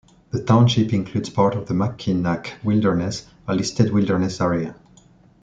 The township includes part of the Mackinac Wilderness, a listed Wilderness Area.